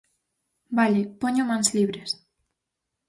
Vale, poño o mans libres.